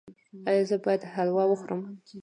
ایا زه باید حلوا وخورم؟